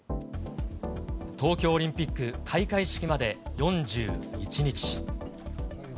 東京オリンピック開会式まで４１日。